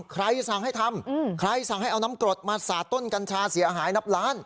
ใครสั่งให้ทำใครสั่งให้เอาน้ำกรดมาสาดต้นกัญชาเสียหายนับล้าน